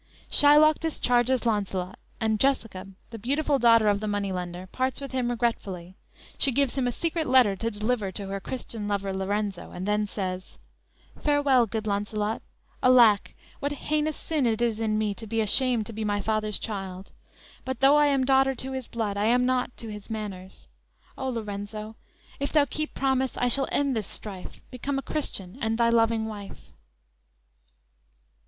"_ Shylock discharges Launcelot, and Jessica, the beautiful daughter of the money lender, parts with him regretfully she gives him a secret letter to deliver to her Christian lover, Lorenzo, and then says: _"Farewell, good Launcelot Alack, what heinous sin it is in me To be ashamed to be my father's child! But though I am a daughter to his blood, I am not to his manners; O Lorenzo, If thou keep promise, I shall end this strife; Become a Christian, and thy loving wife!"